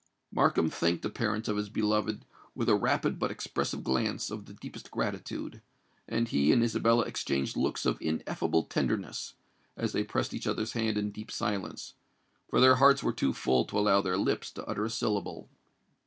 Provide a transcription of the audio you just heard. Markham thanked the parents of his beloved with a rapid but expressive glance of the deepest gratitude; and he and Isabella exchanged looks of ineffable tenderness, as they pressed each other's hand in deep silence—for their hearts were too full to allow their lips to utter a syllable.